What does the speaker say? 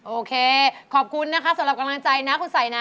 โอเคขอบคุณนะคะสำหรับกำลังใจนะคุณสัยนะ